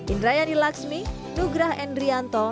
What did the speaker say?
indrayani laksmi nugraha endrianto